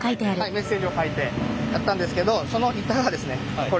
メッセージを書いてやったんですけどその板がですねこれです。